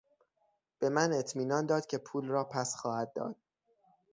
به من اطمینان داد که پول را پس خواهد داد.